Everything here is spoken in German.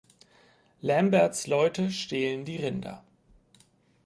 Lamberts Leute stehlen die Rinder.